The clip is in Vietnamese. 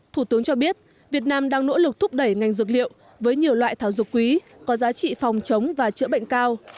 thủ tướng cho biết việt nam đang nỗ lực thúc đẩy ngành dược liệu với nhiều loại thảo dược quý có giá trị phòng chống và chữa bệnh cao